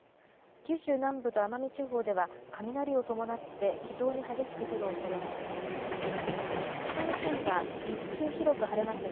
九州南部と奄美地方では雷を伴って非常に激しく降るおそれがあります。